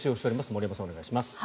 森山さん、お願いします。